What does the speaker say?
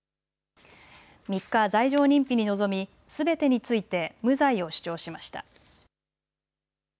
３日、罪状認否に臨みすべてについて無罪を主張しました。